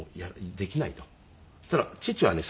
そしたら父はね